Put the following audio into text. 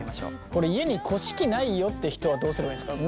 これ家にこし器ないよって人はどうすればいいんですか？